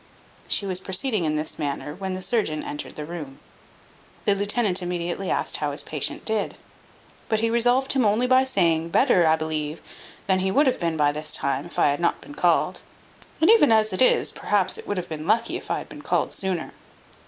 She was proceeding in this manner when the surgeon entered the room. The lieutenant immediately asked how his patient did. But he resolved him only by saying, "Better, I believe, than he would have been by this time, if I had not been called; and even as it is, perhaps it would have been lucky if I could have been called sooner."